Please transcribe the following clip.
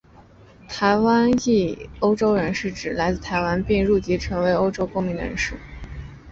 台湾裔澳洲人是指来自台湾并且入籍成为澳洲公民的人士。